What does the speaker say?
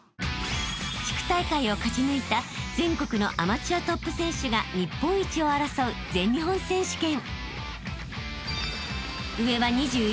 ［地区大会を勝ち抜いた全国のアマチュアトップ選手が日本一を争う全日本選手権］